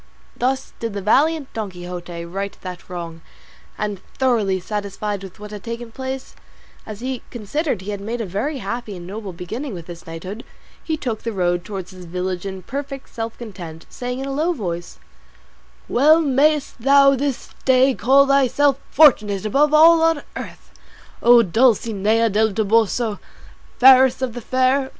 Thus did the valiant Don Quixote right that wrong, and, thoroughly satisfied with what had taken place, as he considered he had made a very happy and noble beginning with his knighthood, he took the road towards his village in perfect self content, saying in a low voice, "Well mayest thou this day call thyself fortunate above all on earth, O Dulcinea del Toboso, fairest of the fair!